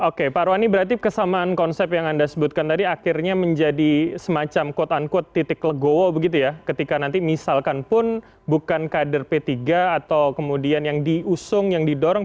oke pak rohani berarti kesamaan konsep yang anda sebutkan tadi akhirnya menjadi semacam quote unquote titik legowo begitu ya ketika nanti misalkan pun bukan kader p tiga atau kemudian yang diusung yang didorong